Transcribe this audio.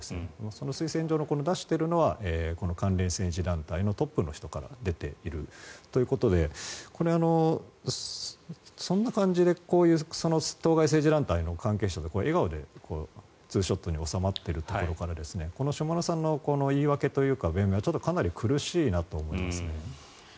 その推薦状を出しているのは関連政治団体のトップの人から出ているということでこれ、そんな感じで当該政治団体の関係者と笑顔でツーショットに納まっているところから下村さんの言い訳というか弁明はかなり苦しいなと思いますね。